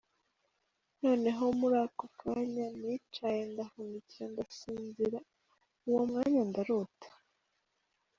Noneho muri ako kanya nicaye ndahunikira ndasinzira, uwo mwanya ndarota.